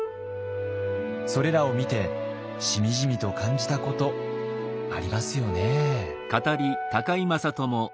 それらを見てしみじみと感じたことありますよね。